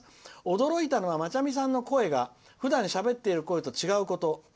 驚いたのはマチャミさんの声がふだん、しゃべっている声と違うこと」。